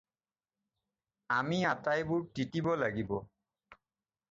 আমি আটাইবোৰ তিতিব লাগিব।